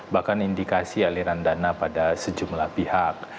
bahkan indikasi aliran dana pada sejumlah pihak